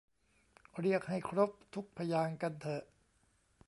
เรียกให้ครบทุกพยางค์กันเถอะ